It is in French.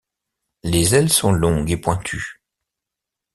Les ailes sont longues et pointues.